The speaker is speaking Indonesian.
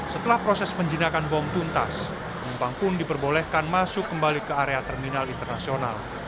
setelah proses penjinakan bom tuntas penumpang pun diperbolehkan masuk kembali ke area terminal internasional